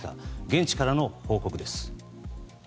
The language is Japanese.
現地からの報告です。